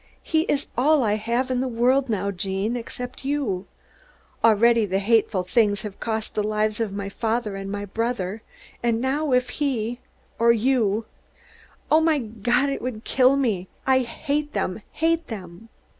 "He is all I have in the world now, Gene, except you. Already the hateful things have cost the lives of my father and my brother, and now if he Or you Oh, my God, it would kill me! I hate them, hate them!"